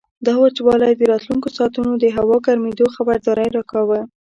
دا وچوالی د راتلونکو ساعتونو د هوا ګرمېدو خبرداری راکاوه.